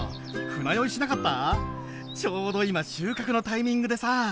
ちょうど今収穫のタイミングでさ。